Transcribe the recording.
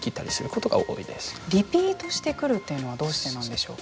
リピートしてくるというのはどうしてなんでしょうか。